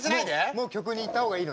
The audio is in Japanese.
もう曲にいった方がいいのね。